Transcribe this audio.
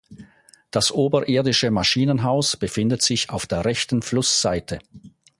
Das oberirdische Maschinenhaus befindet sich auf der rechten Flussseite.